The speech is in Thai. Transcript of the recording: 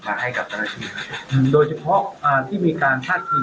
มาให้กับพอเลสชีวีห์อืมโดยเฉพาะอ่าที่มีการทัดผิน